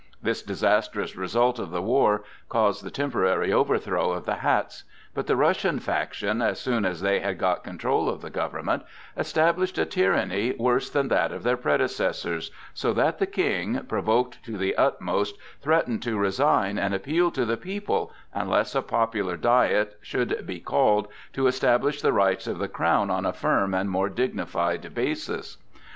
This disastrous result of the war caused the temporary overthrow of the "hats." But the Russian faction, as soon as they had got control of the government, established a tyranny worse than that of their predecessors, so that the King, provoked to the utmost, threatened to resign and appeal to the people, unless a popular Diet should be called to establish the rights of the crown on a firm and more dignified basis.